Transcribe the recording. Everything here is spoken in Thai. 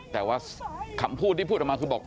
แต่ว่าคำพูดที่พูดออกมาคือบอก